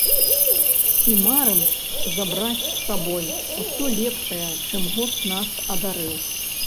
І марым забраць з сабой усё лепшае, чым год нас адарыў.